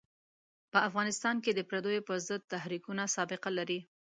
په افغانستان کې د پردیو پر ضد تحریکونه سابقه لري.